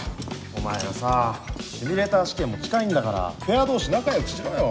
お前らさシミュレーター試験も近いんだからペア同士仲良くしろよ。